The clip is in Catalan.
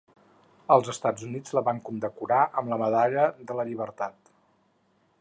Els Estats Units la van condecorar amb la Medalla de la Llibertat.